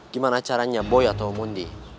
gimana caranya boy atau mundi